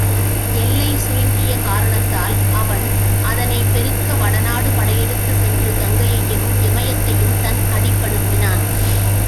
எல்லை சுருங்கிய காரணத்தால் அவன் அதனைப் பெருக்க வடநாடு படையெடுத்துச் சென்று கங்கையையும், இமயத்தையும் தன் அடிப்படுத்தினான்.